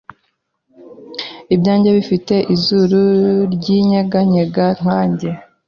Ibyanjye bifite izuru ryinye ganyega nkanjye